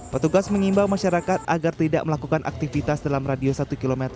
petugas mengimbau masyarakat agar tidak melakukan aktivitas dalam radio satu km